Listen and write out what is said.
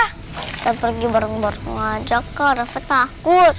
kita pergi bareng bareng aja kak rafa takut